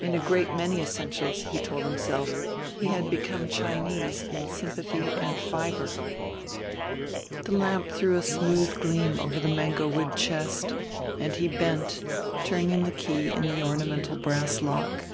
In a great many essentials, he told himself, he had become Chinese in sympathy and fiber. The lamp threw a smooth gleam over the mango wood chest, and he bent, turning the key in the ornamental brass lock.